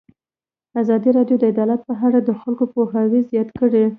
ازادي راډیو د عدالت په اړه د خلکو پوهاوی زیات کړی.